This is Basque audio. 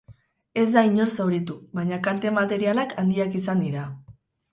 Ez da inor zauritu, baina kalte materialak handiak izan dira.